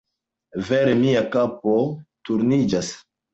Vere, mia kapo turniĝas.